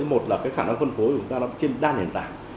một là khả năng phân phối của chúng ta trên đa nền tảng